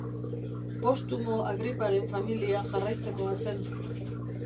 Postumo Agriparen familia jarraitzekoa zen.